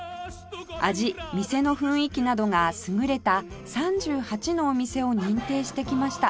味店の雰囲気などが優れた３８のお店を認定してきました